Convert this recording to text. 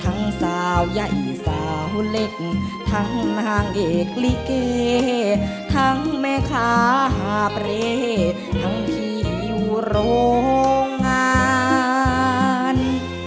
สาวใหญ่สาวเล็กทั้งนางเอกลิเกทั้งแม่ค้าหาเปรย์ทั้งพี่อยู่โรงงาน